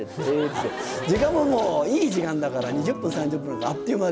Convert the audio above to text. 時間もいい時間だから２０分３０分なんかあっという間で。